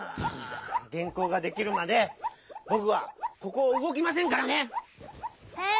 げんこうができるまでぼくはここをうごきませんからね！